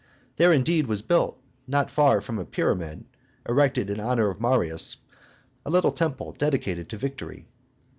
There, indeed, was built, not far from a pyramid erected in honor of Marius, a little temple dedicated to Victory.